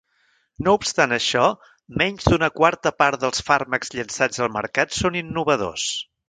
No obstant això, menys d'una quarta part dels fàrmacs llançats al mercat són innovadors.